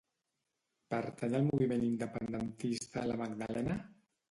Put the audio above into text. Pertany al moviment independentista la Magdalena?